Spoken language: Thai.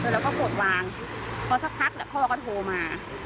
เราก็กดวางพอสักพักพ่อก็โทรมา